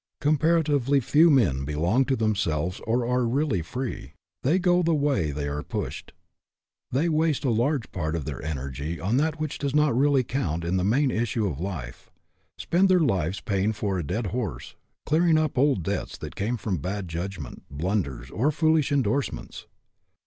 Com paratively few men belong to themselves or are really free. They go the way they are pushed. They waste a large part of their energy on that which does not really count in the main issue of life; spend their lives paying for " a dead horse," clearing up old debts that came from bad judgment, blunders, or foolish indorsements.